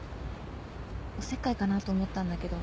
おせっかいかなと思ったんだけど。